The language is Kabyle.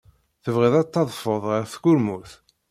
Tebɣid ad tadfed ɣer tkurmut?